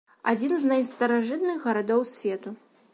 Адзін з найстаражытных гарадоў свету.